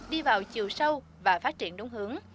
đi vào chiều sâu và phát triển đúng hướng